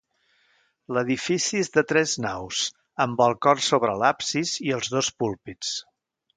L'edifici és de tres naus, amb el cor sobre l'absis i els dos púlpits.